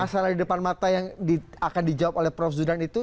masalah di depan mata yang akan dijawab oleh prof zudan itu